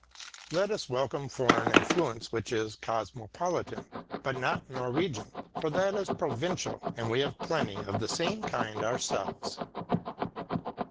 Let us welcome foreign influence which is cosmopolitan; but not Norwegian, for that is provincial, and we have plenty of the same kind ourselves.